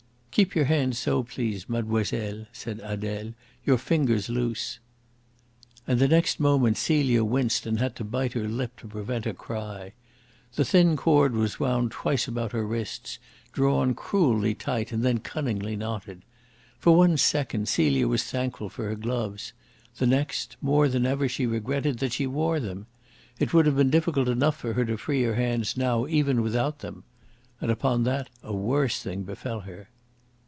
"Keep your hands so, please, mademoiselle," said Adele; "your fingers loose." And the next moment Celia winced and had to bite her lip to prevent a cry. The thin cord was wound twice about her wrists, drawn cruelly tight and then cunningly knotted. For one second Celia was thankful for her gloves; the next, more than ever she regretted that she wore them. It would have been difficult enough for her to free her hands now, even without them. And upon that a worse thing befell her.